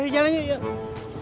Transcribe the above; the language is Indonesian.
ayo jalan yuk